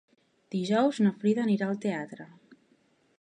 Dijous na Frida anirà al teatre.